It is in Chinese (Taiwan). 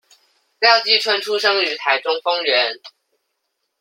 廖繼春出生於台中豐原